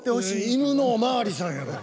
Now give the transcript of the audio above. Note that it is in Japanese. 「犬のおまわりさん」やろ。